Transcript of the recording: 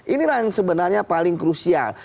ini lah yang sebenarnya paling krusial